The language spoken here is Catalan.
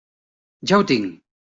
Ja ho tinc!